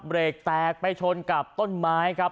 เบรกแตกไปชนกับต้นไม้ครับ